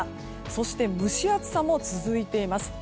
そして蒸し暑さも続いています。